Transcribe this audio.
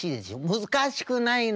「難しくないの。